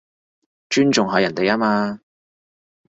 尊重下人哋吖嘛